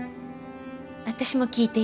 私も聞いていい？